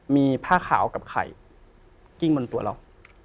มีผ้าขาวกับไข่กิ้งบนตัวเรา